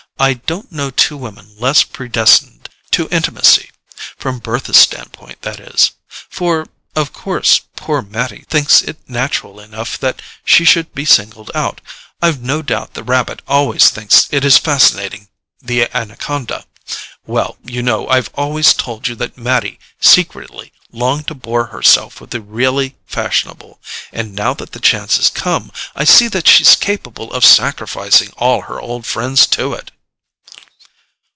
"I don't know two women less predestined to intimacy—from Bertha's standpoint, that is; for of course poor Mattie thinks it natural enough that she should be singled out—I've no doubt the rabbit always thinks it is fascinating the anaconda. Well, you know I've always told you that Mattie secretly longed to bore herself with the really fashionable; and now that the chance has come, I see that she's capable of sacrificing all her old friends to it."